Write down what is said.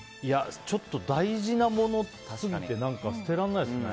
ちょっと大事なもの過ぎて捨てられないですね。